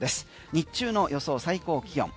日中の予想最高気温。